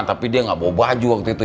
tapi dia nggak bawa baju waktu itu